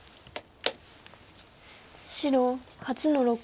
白８の六。